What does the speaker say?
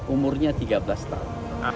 umurnya tiga belas tahun